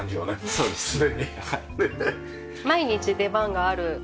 そうですね